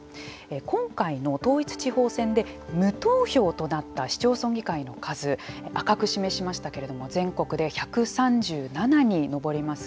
今回の統一地方選で無投票となった市町村議会の数を赤く示しましたけれども全国で１３７に上ります。